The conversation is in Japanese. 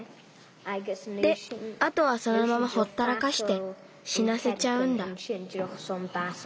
であとはそのままほったらかしてしなせちゃうんだ。